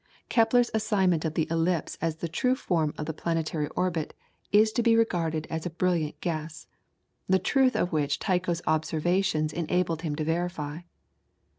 Kepler's assignment of the ellipse as the true form of the planetary orbit is to be regarded as a brilliant guess, the truth of which Tycho's observations enabled him to verify.